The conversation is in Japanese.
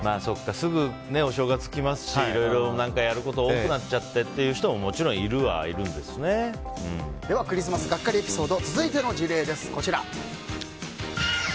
すぐお正月きますしいろいろやることが多くなっちゃってという人もクリスマスガッカリエピソード